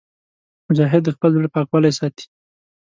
مجاهد د خپل زړه پاکوالی ساتي.